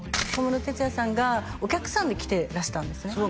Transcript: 小室哲哉さんがお客さんで来てらしたんですね